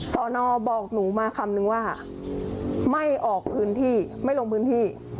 สอนอบอกหนูมาคำนึงว่าไม่ออกพื้นที่ไม่ลงพื้นที่